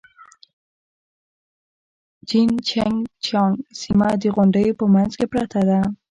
جين چنګ جيانګ سيمه د غونډيو په منځ کې پرته ده.